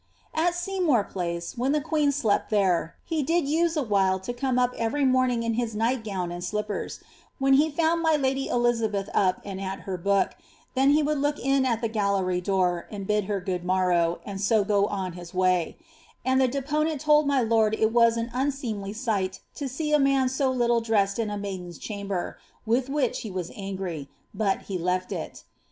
^^At Seymour Place, when the queen slept there, he did use awhile to come up every morning in his nightgown and slippers; when he found my lady Elizabeth up, and at her book, then he would look in al the gallery door, and bid her good morrow, and so go on his way; and the deponent told my lord it was an unseemly sight to see a man so little dressed in a maiden^s chamber, with which he was angry^ but he left it.